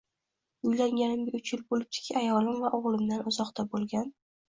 Uylanganimga uch yil boʻlibdiki, ayolim va oʻgʻlimdan uzoqda boʻlgan